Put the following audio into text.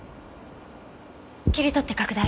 切り取って拡大。